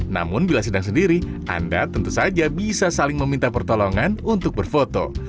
namun bila sedang sendiri anda tentu saja bisa saling meminta pertolongan untuk berfoto